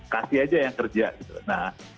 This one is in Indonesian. kasih aja yang kerja gitu nah